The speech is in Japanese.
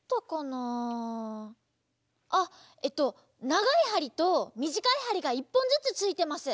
ながいはりとみじかいはりが１ぽんずつついてます。